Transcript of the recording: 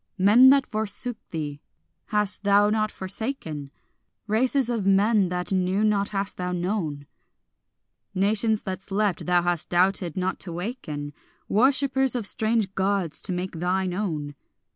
Men that forsook thee hast thou not forsaken, Races of men that knew not hast thou known; Nations that slept thou hast doubted not to waken, Worshippers of strange Gods to make thine own.